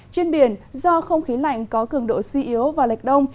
trên biển do không khí lạnh có cường độ suy yếu và lệch đông